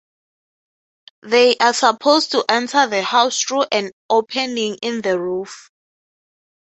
They are supposed to enter the house through an opening in the roof.